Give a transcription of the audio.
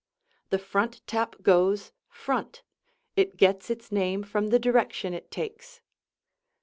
The front tap goes front it gets its name from the direction it takes.